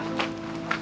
masukkan lagi ya